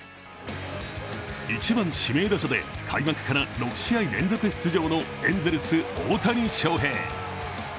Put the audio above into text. １番・指名打者で開幕から６試合連続出場のエンゼルス・大谷翔平。